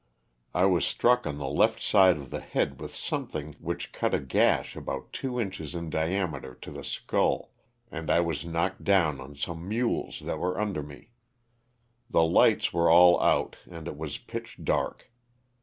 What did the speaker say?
I was struck on the left side of the head with something which cut a gash about two inches in diameter to the skull, and I was knocked down on some mules that were under me. The lights were all out and it was pitch dark.